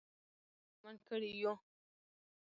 دښمن کړي یو.